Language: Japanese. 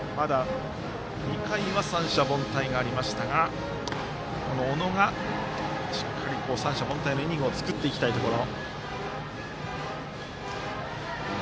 ２回は三者凡退がありましたがこの小野がしっかり三者凡退のイニングを作っていきたいところ。